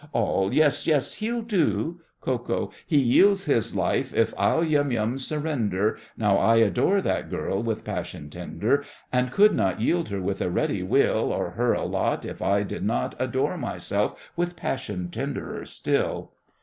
ALL. Yes, yes, he'll do! KO. He yields his life if I'll Yum Yum surrender. Now I adore that girl with passion tender, And could not yield her with a ready will, Or her allot, If I did not Adore myself with passion tenderer still!